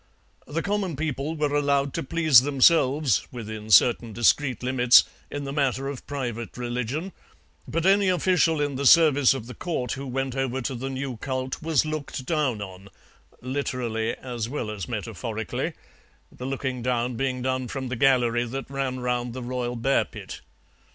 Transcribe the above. The common people were allowed to please themselves, within certain discreet limits, in the matter of private religion, but any official in the service of the Court who went over to the new cult was looked down on, literally as well as metaphorically, the looking down being done from the gallery that ran round the royal bear pit.